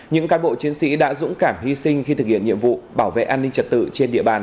những cán bộ chiến sĩ đã dũng cảm hy sinh khi thực hiện nhiệm vụ bảo vệ an ninh trật tự trên địa bàn